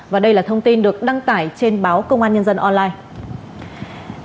và đây là thông tin được đăng tải trên báo công an nhân dân online